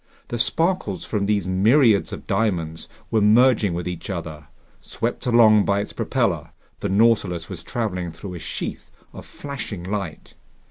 The sparkles from these myriads of diamonds were merging with each other. Swept along by its propeller, the Nautilus was traveling through a sheath of flashing light.